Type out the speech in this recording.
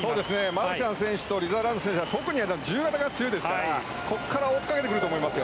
マルシャン選手とリザーランド選手は特に自由形が強いですからここから追いかけてくると思いますよ。